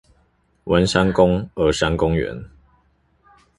文山公兒三公園